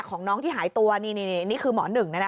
ของน้องที่หายตัวนี่คือหมอหนึ่ง